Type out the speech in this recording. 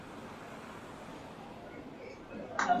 Jenerali Makenga, kamanda mkuu wa Machi ishirini na tatu amerudi